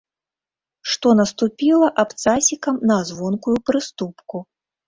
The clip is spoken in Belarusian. Што наступіла абцасікам на звонкую прыступку.